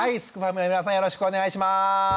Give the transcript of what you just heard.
よろしくお願いします。